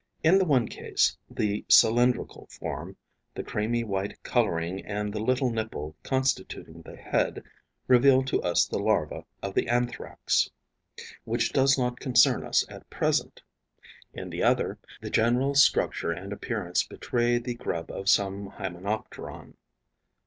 In the one case, the cylindrical form, the creamy white colouring and the little nipple constituting the head reveal to us the larva of the Anthrax, which does not concern us at present; in the other, the general structure and appearance betray the grub of some Hymenopteron.